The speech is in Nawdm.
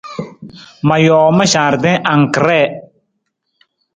Ma joo ma jardin anggree.